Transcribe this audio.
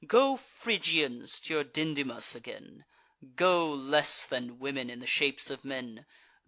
Go, Phrygians, to your Dindymus again! Go, less than women, in the shapes of men!